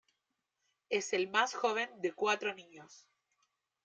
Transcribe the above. Es el más joven de cuatro niños.